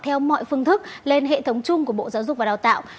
theo mọi phương thức lên hệ thống chung của bộ giáo dục và đào tạo